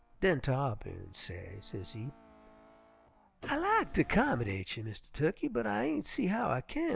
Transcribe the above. "Den Tarr'pin say, sezee, 'I lak ter 'commodate you, Mistah Tukkey, but I ain' see how I kin.